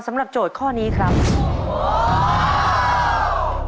สำหรับโจทย์ข้อนี้ครับโอ้โฮโอ้โฮ